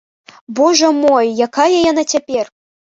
Божа мой, якая яна цяпер?